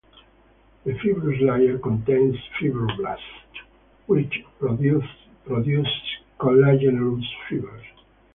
The fibrous layer contains fibroblasts, which produce collagenous fibers.